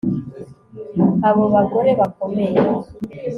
Abo bagore bakomeye